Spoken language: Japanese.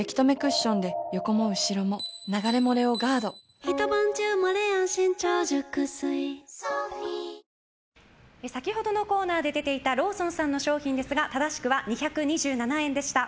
「はだおもいオーガニック」先ほどのコーナーで出ていたローソンさんの商品ですが正しくは２２７円でした。